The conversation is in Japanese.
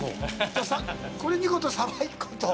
これ２個とサバ１個と。